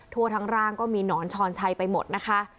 ทั่วทั้งร่างก็มีหนอนชอนชัยไปหมดนะคะ